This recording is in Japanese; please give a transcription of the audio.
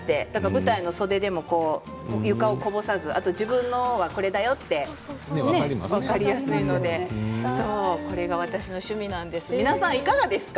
舞台の袖でも床にこぼさず、あと自分はこれだと分かりやすいのでこれが私の趣味なんです。